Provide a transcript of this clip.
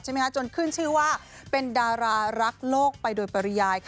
จนขึ้นชื่อว่าเป็นดารารักโลกไปโดยปริยาย